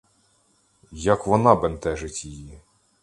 Як вона бентежить її!